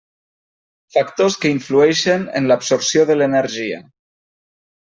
Factors que influeixen en l'absorció de l'energia.